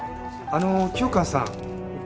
あの清川さん